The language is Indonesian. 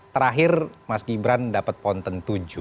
terakhir mas gibran dapat ponten tujuh